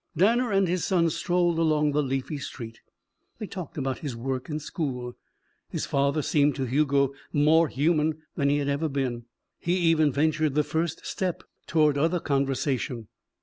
Danner and his son strolled along the leafy street. They talked about his work in school. His father seemed to Hugo more human than he had ever been. He even ventured the first step toward other conversation.